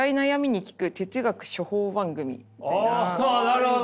おなるほど！